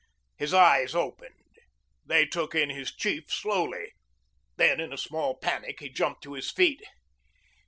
His eyes opened. They took in his chief slowly. Then, in a small panic, he jumped to his feet.